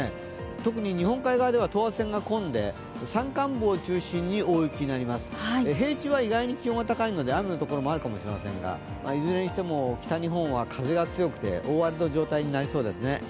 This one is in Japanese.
特に日本海側では等圧線が込んで山間部を中心に大雪になります、平地は意外に気温が高いので雨のところもあるかもしれませんがいずれにしても北日本は風が強くて大荒れの状態になりそうですね。